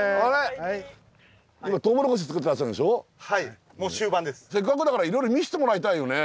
せっかくだからいろいろ見せてもらいたいよね。